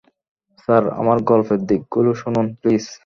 Sir, আমার গল্পের দিকগুলো শুনুন, প্লীজ।